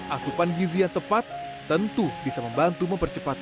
asupan gizi yang tepat tentu bisa membantu mempercepatnya